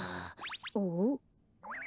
おっ？